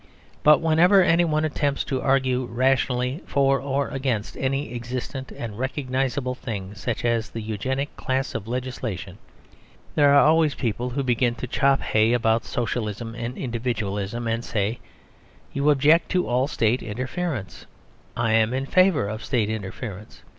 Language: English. But whenever anyone attempts to argue rationally for or against any existent and recognisable thing, such as the Eugenic class of legislation, there are always people who begin to chop hay about Socialism and Individualism; and say "You object to all State interference; I am in favour of State interference.